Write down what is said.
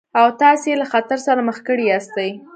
او تاسې يې له خطر سره مخ کړي ياستئ.